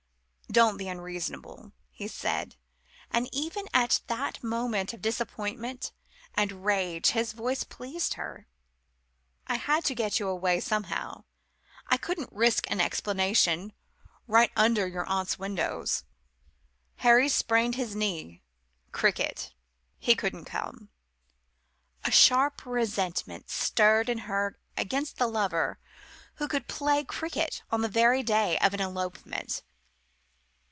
"Don't be unreasonable," he said, and even at that moment of disappointment and rage his voice pleased her. "I had to get you away somehow. I couldn't risk an explanation right under your aunt's windows. Harry's sprained his knee cricket. He couldn't come." A sharp resentment stirred in her against the lover who could play cricket on the very day of an elopement.